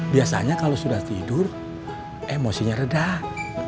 biasanya kalau sudah tidur emosinya rendah